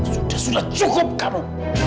sudah sudah cukup kamu